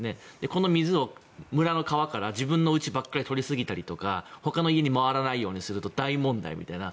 この水を村の川から自分のうちばかり取りすぎたりとかほかの家に回らないようにすると大問題みたいな。